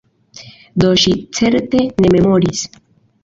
Do ŝi certe ne memoris!